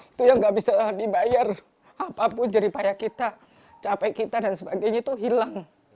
itu yang gak bisa dibayar apapun jeripaya kita capek kita dan sebagainya itu hilang